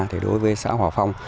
thì đối với xã hỏa phong